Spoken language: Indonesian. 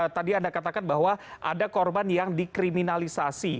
tadi anda katakan bahwa ada korban yang dikriminalisasi